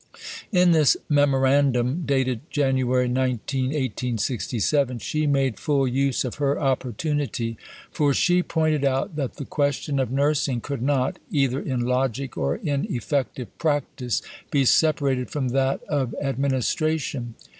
In this Memorandum, dated Jan. 19, 1867, she made full use of her opportunity; for she pointed out that the question of nursing could not, either in logic or in effective practice, be separated from that of administration.